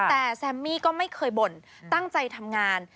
แต่แซมมี่ก็ไม่เคยบ่นตั้งใจทำงาน